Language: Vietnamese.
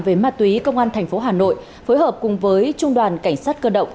về ma túy công an thành phố hà nội phối hợp cùng với trung đoàn cảnh sát cơ động